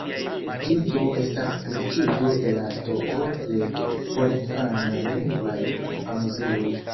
Ĝi do estas riĉigo de la stoko de porinfanaj lingvaj amuziloj.